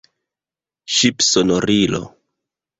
Ŝipsonorilo.